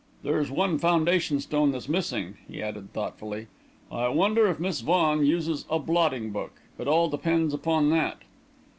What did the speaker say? There's one foundation stone that's missing," he added, thoughtfully. "I wonder if Miss Vaughan uses a blotting book? It all depends upon that!"